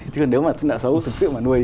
chứ nếu mà nợ sầu thực sự nuôi